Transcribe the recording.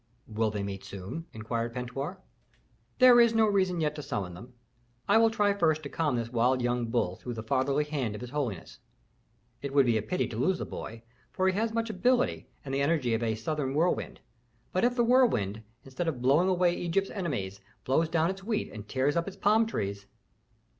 "Will they meet soon?" inquired Pentuer. "There is no reason yet to summon them. I shall try first to calm this wild young bull through the fatherly hand of his holiness. It would be a pity to lose the boy, for he has much ability and the energy of a southern whirlwind. But if the whirlwind, instead of blowing away Egypt's enemies, blows down its wheat and tears up its palm trees!